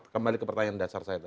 kembali ke pertanyaan dasar saya itu